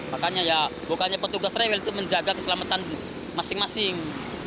makanya ya bukannya petugas rewel itu menjaga keselamatan masing masing